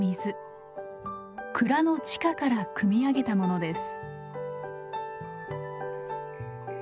蔵の地下からくみ上げたものです。